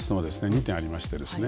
２点ありましてですね